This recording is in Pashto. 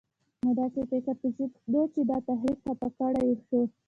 او داسې فکر کېده چې دا تحریک خفه کړی شو.